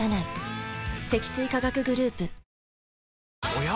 おや？